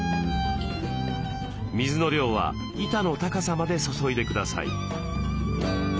水の量は板の高さまで注いでください。